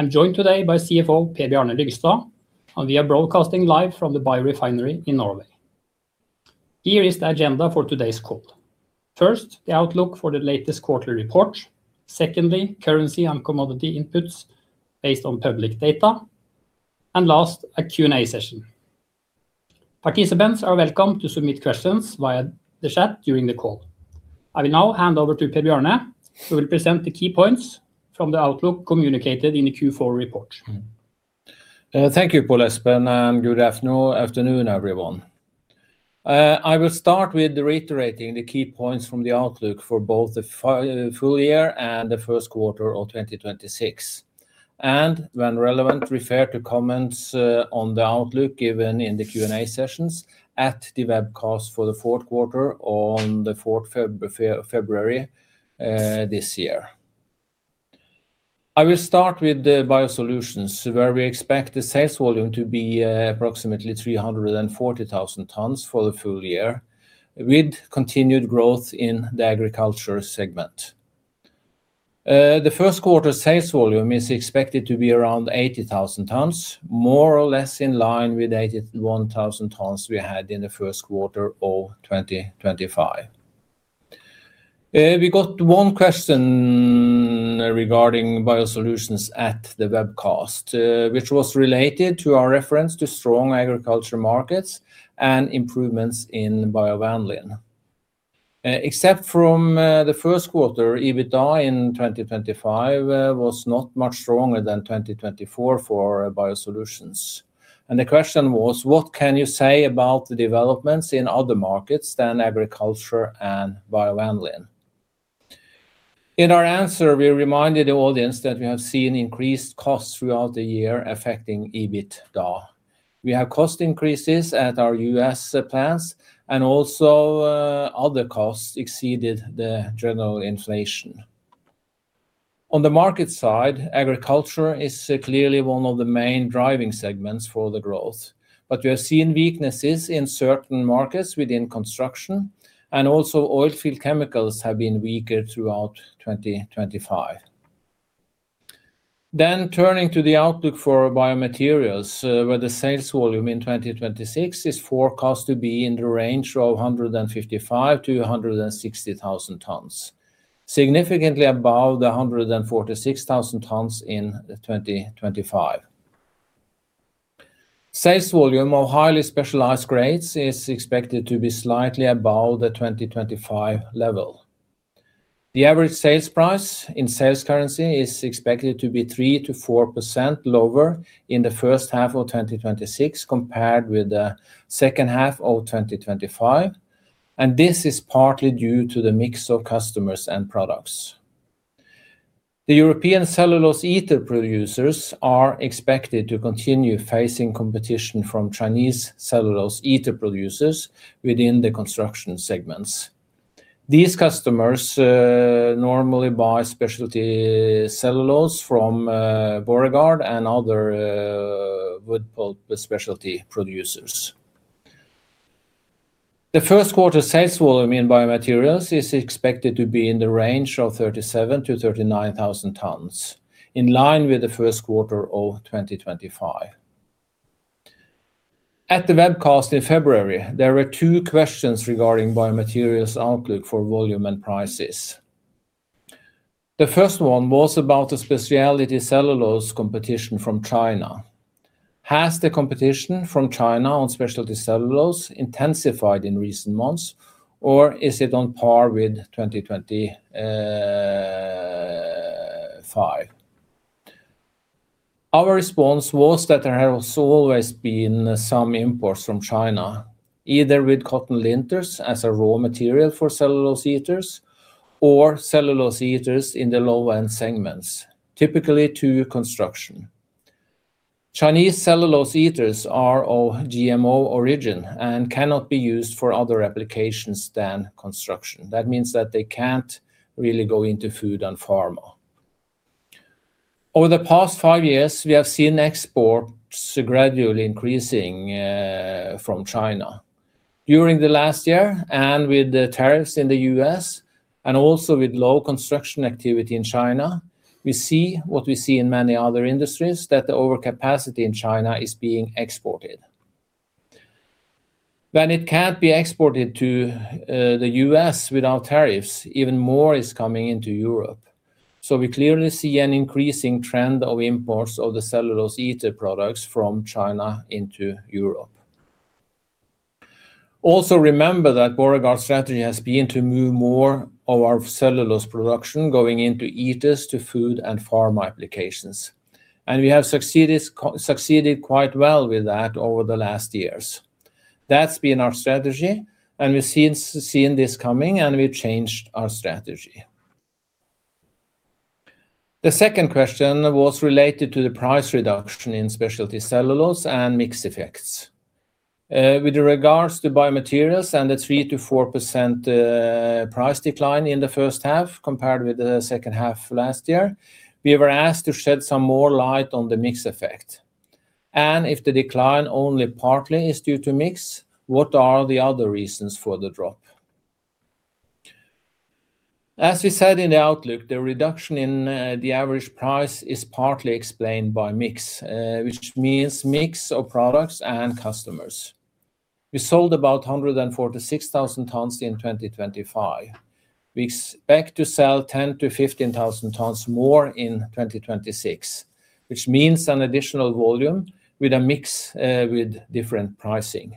I'm joined today by CFO Per Bjarne Lyngstad, and we are broadcasting live from the Biorefinery in Norway. Here is the agenda for today's call. First, the outlook for the latest quarterly report. Secondly, currency and commodity inputs based on public data. Last, a Q&A session. Participants are welcome to submit questions via the chat during the call. I will now hand over to Per Bjarne who will present the key points from the outlook communicated in the Q4 report. Thank you, Pål Espen, and good afternoon, everyone. I will start with reiterating the key points from the outlook for both the full year and the first quarter of 2026. When relevant, refer to comments on the outlook given in the Q&A sessions at the webcast for the fourth quarter on the fourth February this year. I will start with the BioSolutions, where we expect the sales volume to be approximately 340,000 tonnes for the full year, with continued growth in the agriculture segment. The first quarter sales volume is expected to be around 80,000 tonnes, more or less in line with 81,000 tonnes we had in the first quarter of 2025. We got one question regarding BioSolutions at the webcast, which was related to our reference to strong agriculture markets and improvements in BioVanillin. Except for the first quarter, EBITDA in 2025 was not much stronger than 2024 for BioSolutions. The question was, what can you say about the developments in other markets than agriculture and BioVanillin? In our answer, we reminded the audience that we have seen increased costs throughout the year affecting EBITDA. We have cost increases at our U.S. plants, and also, other costs exceeded the general inflation. On the market side, agriculture is clearly one of the main driving segments for the growth. We have seen weaknesses in certain markets within construction, and also oilfield chemicals have been weaker throughout 2025. Turning to the outlook for BioMaterials, where the sales volume in 2026 is forecast to be in the range of 155,000-160,000 tonnes, significantly above the 146,000 tonnes in 2025. Sales volume of highly specialized grades is expected to be slightly above the 2025 level. The average sales price in sales currency is expected to be 3%-4% lower in the first half of 2026 compared with the second half of 2025, and this is partly due to the mix of customers and products. The European cellulose ether producers are expected to continue facing competition from Chinese cellulose ether producers within the construction segments. These customers normally buy speciality cellulose from Borregaard and other wood pulp specialty producers. The first quarter sales volume in BioMaterials is expected to be in the range of 37,000-39,000 tonnes, in line with the first quarter of 2025. At the webcast in February, there were two questions regarding BioMaterials outlook for volume and prices. The first one was about the specialty cellulose competition from China. Has the competition from China on specialty cellulose intensified in recent months, or is it on par with 2025? Our response was that there has always been some imports from China, either with cotton linters as a raw material for cellulose ethers or cellulose ethers in the low-end segments, typically to construction. Chinese cellulose ethers are of GMO origin and cannot be used for other applications than construction. That means that they can't really go into food and pharma. Over the past five years, we have seen exports gradually increasing from China. During the last year, with the tariffs in the U.S. and also with low construction activity in China, we see what we see in many other industries, that the overcapacity in China is being exported. When it can't be exported to the U.S. without tariffs, even more is coming into Europe. We clearly see an increasing trend of imports of the cellulose ethers products from China into Europe. Also remember that Borregaard's strategy has been to move more of our cellulose production going into ethers to food and pharma applications, and we have succeeded quite well with that over the last years. That's been our strategy, and we've seen this coming, and we've changed our strategy. The second question was related to the price reduction in specialty cellulose and mix effects. With regards to BioMaterials and the 3%-4% price decline in the first half compared with the second half last year, we were asked to shed some more light on the mix effect. If the decline only partly is due to mix, what are the other reasons for the drop? As we said in the outlook, the reduction in the average price is partly explained by mix, which means mix of products and customers. We sold about 146,000 tons in 2025. We expect to sell 10,000-15,000 tons more in 2026, which means an additional volume with a mix with different pricing.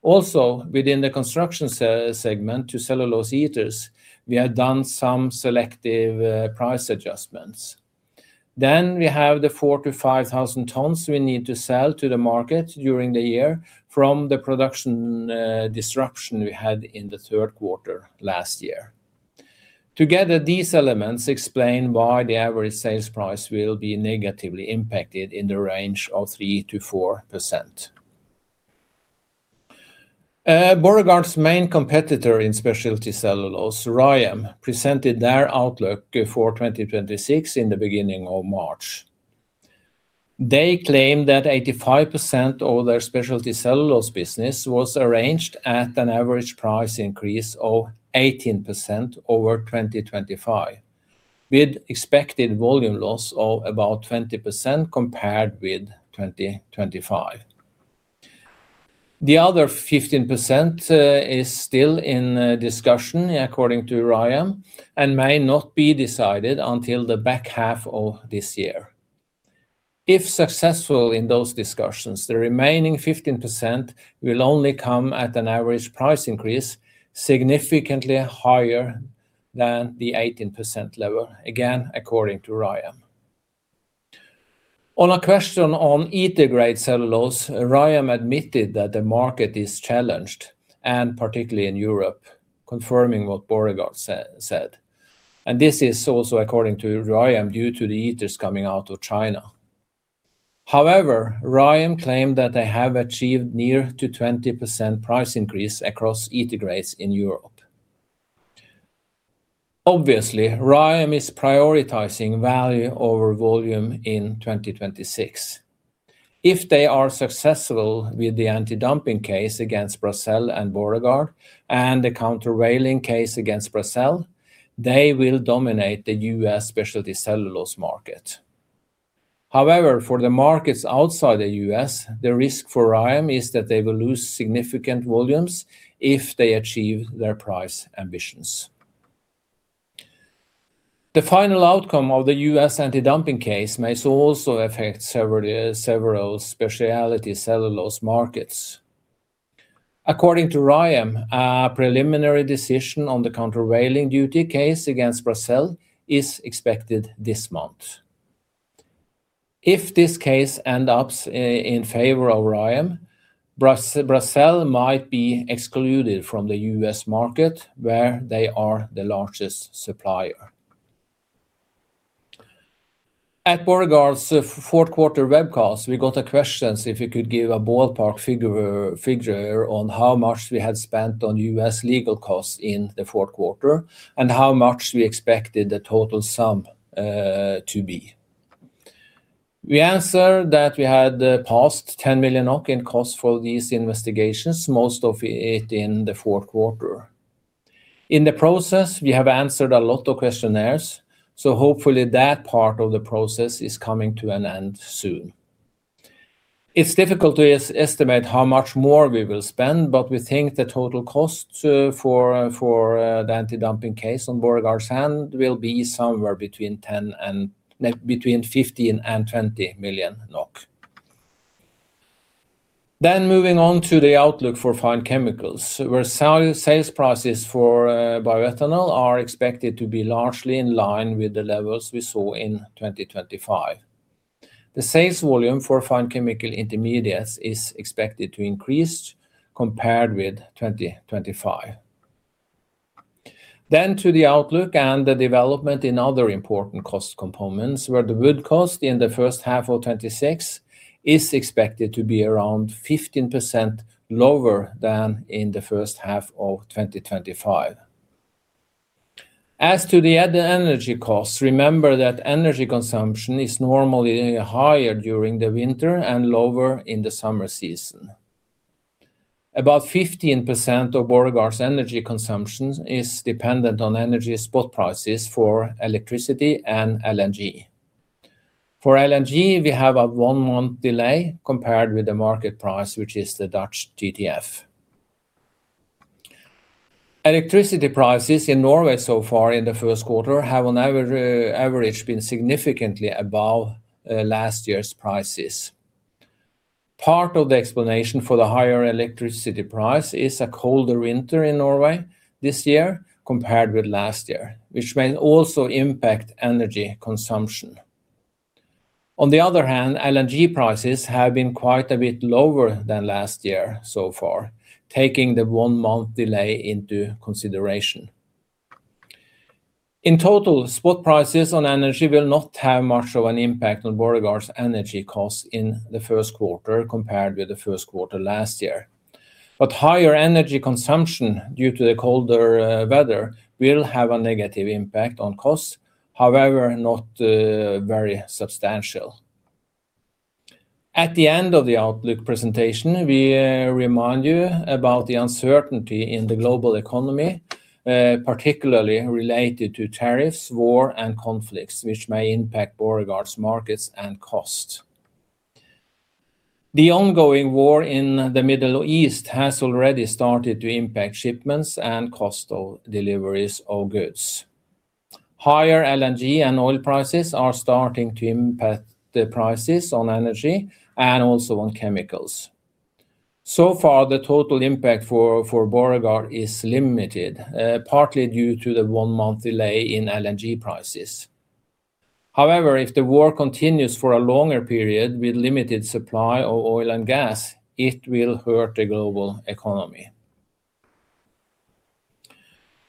Also, within the construction segment to cellulose ethers, we have done some selective price adjustments. We have the 4,000-5,000 tons we need to sell to the market during the year from the production disruption we had in the third quarter last year. Together, these elements explain why the average sales price will be negatively impacted in the range of 3%-4%. Borregaard's main competitor in specialty cellulose, Rayonier Advanced Materials, presented their outlook for 2026 in the beginning of March. They claim that 85% of their specialty cellulose business was arranged at an average price increase of 18% over 2025, with expected volume loss of about 20% compared with 2025. The other 15% is still in discussion according to Rayonier Advanced Materials and may not be decided until the back half of this year. If successful in those discussions, the remaining 15% will only come at an average price increase significantly higher than the 18% level, again, according to RYAM. On a question on ether-grade cellulose, RYAM admitted that the market is challenged, and particularly in Europe, confirming what Borregaard said. This is also according to RYAM, due to the ethers coming out of China. However, RYAM claimed that they have achieved near to 20% price increase across ether grades in Europe. Obviously, RYAM is prioritizing value over volume in 2026. If they are successful with the antidumping case against Brazil and Borregaard and the countervailing case against Brazil, they will dominate the U.S. specialty cellulose market. However, for the markets outside the U.S., the risk for RYAM is that they will lose significant volumes if they achieve their price ambitions. The final outcome of the U.S. antidumping case may also affect several speciality cellulose markets. According to RYAM, a preliminary decision on the countervailing duty case against Brazil is expected this month. If this case ends up in favor of RYAM, Brazil might be excluded from the U.S. market, where they are the largest supplier. At Borregaard's fourth quarter webcast, we got a question if we could give a ballpark figure on how much we had spent on U.S. legal costs in the fourth quarter and how much we expected the total sum to be. We answered that we had passed 10 million in costs for these investigations, most of it in the fourth quarter. In the process, we have answered a lot of questionnaires, so hopefully that part of the process is coming to an end soon. It's difficult to estimate how much more we will spend, but we think the total costs for the antidumping case on Borregaard's behalf will be somewhere between 15 million and 20 million NOK. Moving on to the outlook for Fine Chemicals, where sales prices for bioethanol are expected to be largely in line with the levels we saw in 2025. The sales volume for fine chemical intermediates is expected to increase compared with 2025. To the outlook and the development in other important cost components, where the wood cost in the first half of 2026 is expected to be around 15% lower than in the first half of 2025. As to the other energy costs, remember that energy consumption is normally higher during the winter and lower in the summer season. About 15% of Borregaard's energy consumption is dependent on energy spot prices for electricity and LNG. For LNG, we have a one-month delay compared with the market price, which is the Dutch TTF. Electricity prices in Norway so far in the first quarter have been significantly above last year's prices. Part of the explanation for the higher electricity price is a colder winter in Norway this year compared with last year, which may also impact energy consumption. On the other hand, LNG prices have been quite a bit lower than last year so far, taking the one-month delay into consideration. In total, spot prices on energy will not have much of an impact on Borregaard's energy costs in the first quarter compared with the first quarter last year. Higher energy consumption due to the colder weather will have a negative impact on costs, however, not very substantial. At the end of the outlook presentation, we remind you about the uncertainty in the global economy, particularly related to tariffs, war, and conflicts which may impact Borregaard's markets and cost. The ongoing war in the Middle East has already started to impact shipments and coastal deliveries of goods. Higher LNG and oil prices are starting to impact the prices on energy and also on chemicals. So far, the total impact for Borregaard is limited, partly due to the one-month delay in LNG prices. However, if the war continues for a longer period with limited supply of oil and gas, it will hurt the global economy.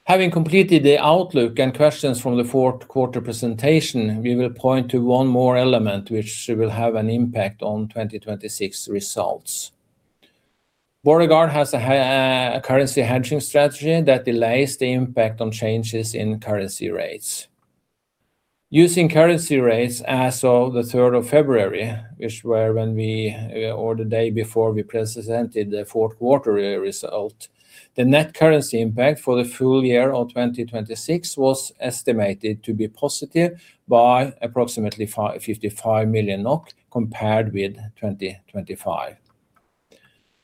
Having completed the outlook and questions from the fourth quarter presentation, we will point to one more element which will have an impact on 2026 results. Borregaard has a currency hedging strategy that delays the impact on changes in currency rates. Using currency rates as of the third of February, which were when we, or the day before we presented the fourth quarter result, the net currency impact for the full year of 2026 was estimated to be positive by approximately 55 million NOK compared with 2025.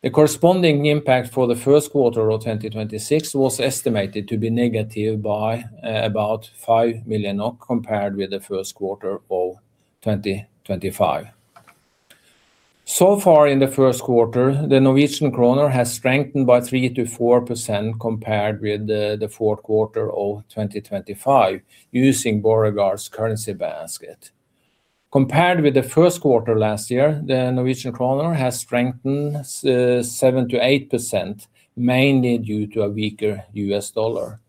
The corresponding impact for the first quarter of 2026 was estimated to be negative by about 5 million NOK compared with the first quarter of 2025. So far in the first quarter, the Norwegian kroner has strengthened by 3%-4% compared with the fourth quarter of 2025 using Borregaard's currency basket. Compared with the first quarter last year, the Norwegian kroner has strengthened 7%-8%, mainly due to a weaker US dollar.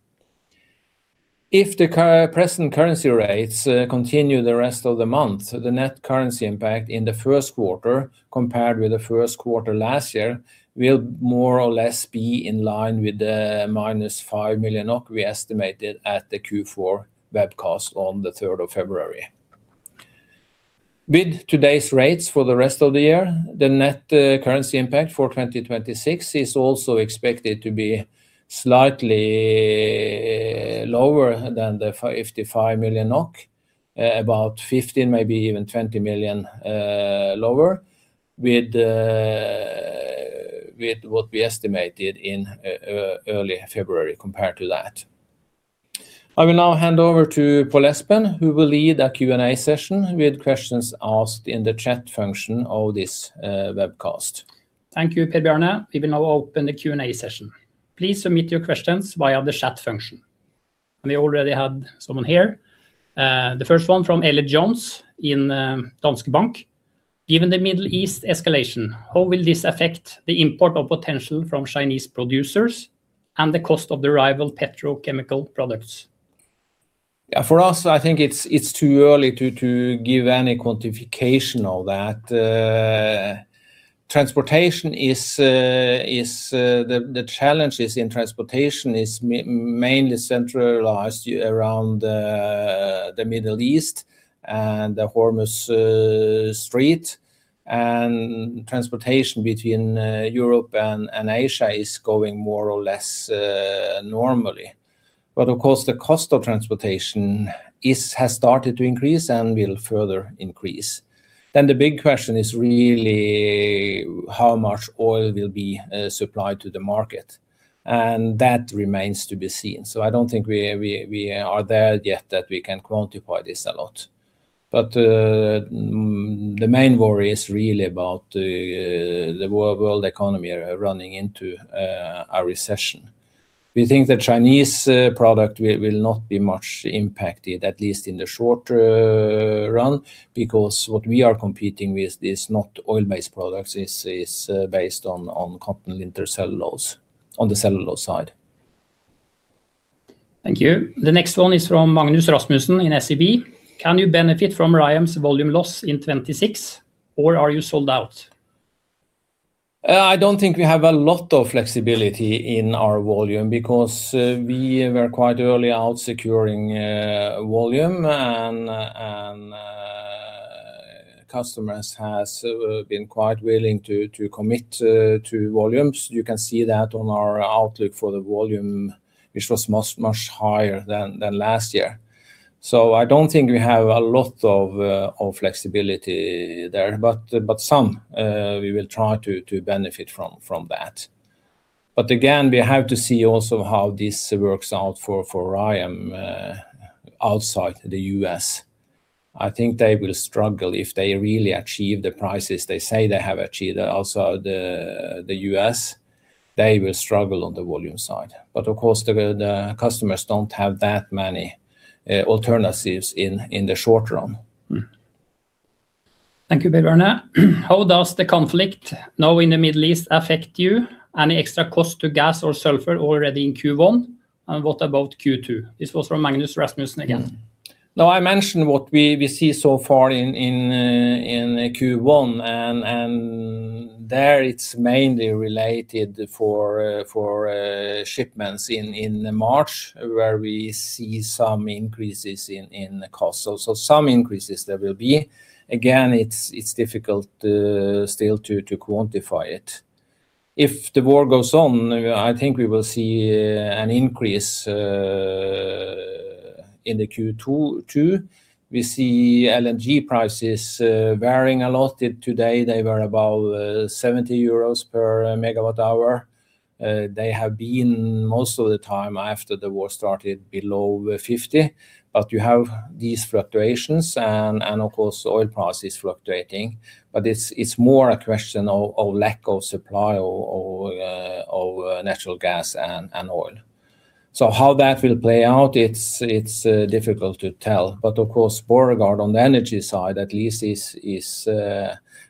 If the present currency rates continue the rest of the month, the net currency impact in the first quarter compared with the first quarter last year will more or less be in line with the -5 million we estimated at the Q4 webcast on the third of February. With today's rates for the rest of the year, the net currency impact for 2026 is also expected to be slightly lower than the 55 million NOK, about 15 million, maybe even 20 million lower with what we estimated in early February compared to that. I will now hand over to Pål Espen, who will lead a Q&A session with questions asked in the chat function of this webcast. Thank you, Per Bjarne. We will now open the Q&A session. Please submit your questions via the chat function. We already had someone here. The first one from Elliott Jones in Danske Bank. Given the Middle East escalation, how will this affect the import potential from Chinese producers and the cost of the rival petrochemical products? Yeah, for us, I think it's too early to give any quantification of that. Transportation is the challenges in transportation mainly centralized around the Middle East and the Hormuz Strait, and transportation between Europe and Asia is going more or less normally. Of course, the cost of transportation has started to increase and will further increase. The big question is really how much oil will be supplied to the market, and that remains to be seen. I don't think we are there yet that we can quantify this a lot. The main worry is really about the world economy running into a recession. We think the Chinese product will not be much impacted, at least in the short run, because what we are competing with is not oil-based products. It's based on cotton lint or cellulose on the cellulose side. Thank you. The next one is from Magnus Melvær Rasmussen in SEB. Can you benefit from Rayonier's volume loss in 2026, or are you sold out? I don't think we have a lot of flexibility in our volume because we were quite early out securing volume and customers has been quite willing to commit to volumes. You can see that on our outlook for the volume, which was much higher than last year. I don't think we have a lot of flexibility there, but some we will try to benefit from that. Again, we have to see also how this works out for RYAM outside the U.S. I think they will struggle if they really achieve the prices they say they have achieved. Also, the U.S., they will struggle on the volume side. Of course, the customers don't have that many alternatives in the short run. Thank you, Per Bjarne. How does the conflict now in the Middle East affect you? Any extra cost to gas or sulfur already in Q1? And what about Q2? This was from Magnus Rasmussen again. Now, I mentioned what we see so far in Q1 and there it's mainly related to shipments in March where we see some increases in the cost. Some increases there will be. Again, it's difficult still to quantify it. If the war goes on, I think we will see an increase in Q2 too. We see LNG prices varying a lot. Today they were about 70 euros per MWh. They have been most of the time after the war started below 50. You have these fluctuations and of course oil price is fluctuating. It's more a question of lack of supply of natural gas and oil. How that will play out, it's difficult to tell. Of course, Borregaard on the energy side at least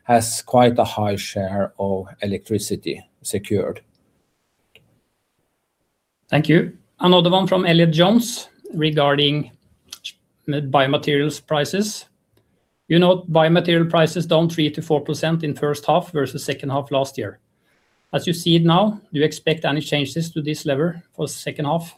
has quite a high share of electricity secured. Thank you. Another one from Elliott Jones-Myklebust regarding BioMaterials prices. You know, BioMaterials prices down 3%-4% in first half versus second half last year. As you see it now, do you expect any changes to this level for the second half?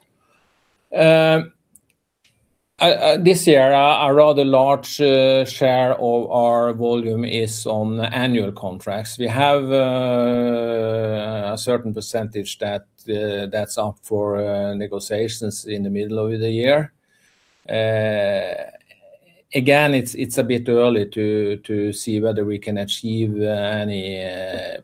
This year a rather large share of our volume is on annual contracts. We have a certain percentage that's up for negotiations in the middle of the year. Again, it's a bit early to see whether we can achieve any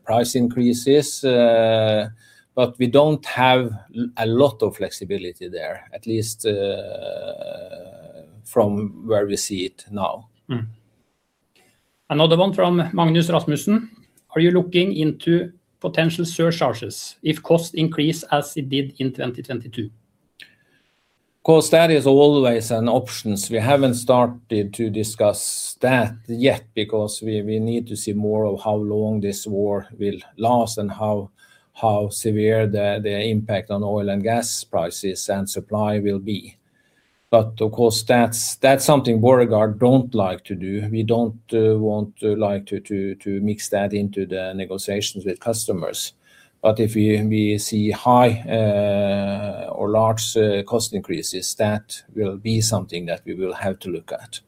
price increases. We don't have a lot of flexibility there, at least from where we see it now. Another one from Magnus Melvær Rasmussen. Are you looking into potential surcharges if costs increase as it did in 2022? Of course, that is always an option. We haven't started to discuss that yet because we need to see more of how long this war will last and how severe the impact on oil and gas prices and supply will be. Of course that's something Borregaard don't like to do. We don't want like to mix that into the negotiations with customers. If we see high or large cost increases, that will be something that we will have to look at.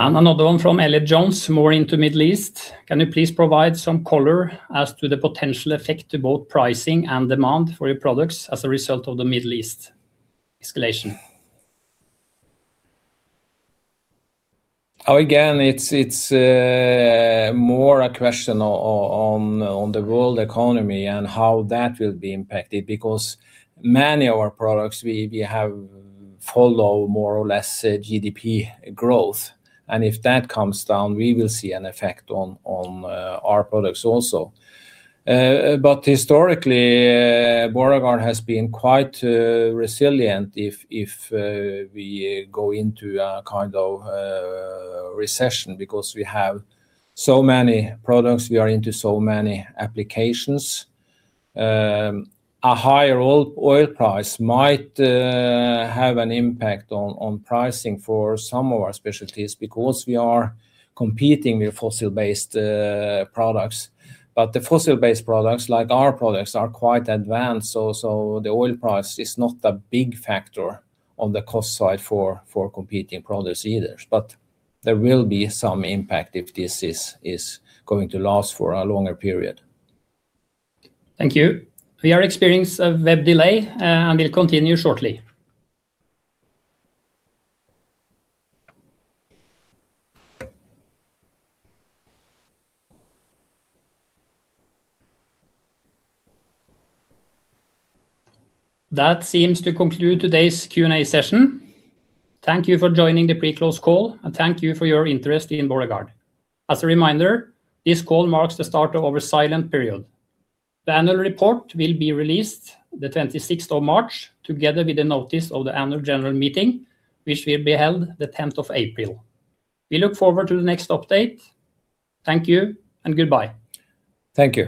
Another one from Elliott Jones-Myklebust, more into Middle East. Can you please provide some color as to the potential effect to both pricing and demand for your products as a result of the Middle East escalation? Again, it's more a question on the world economy and how that will be impacted because many of our products we have follow more or less GDP growth. If that comes down, we will see an effect on our products also. Historically, Borregaard has been quite resilient if we go into a kind of recession because we have so many products, we are into so many applications. A higher oil price might have an impact on pricing for some of our specialties because we are competing with fossil based products. The fossil based products, like our products, are quite advanced, so the oil price is not a big factor on the cost side for competing products either. There will be some impact if this is going to last for a longer period. Thank you. We are experiencing a web delay, and we'll continue shortly. That seems to conclude today's Q&A session. Thank you for joining the pre-close call, and thank you for your interest in Borregaard. As a reminder, this call marks the start of our silent period. The annual report will be released the twenty-sixth of March, together with a notice of the annual general meeting, which will be held the tenth of April. We look forward to the next update. Thank you and goodbye. Thank you.